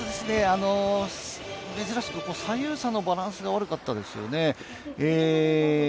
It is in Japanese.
珍しく左右差のバランスが悪かったですよね。